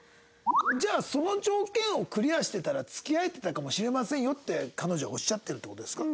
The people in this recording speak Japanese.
じゃあその条件をクリアしてたら付き合えてたかもしれませんよって彼女おっしゃってるって事ですか？